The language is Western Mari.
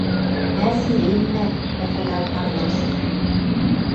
Мӓ сиреннӓ, ӹфӹлӓл парняш: